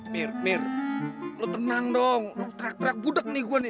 mir mir lo tenang dong lo terak terak budak nih gue nih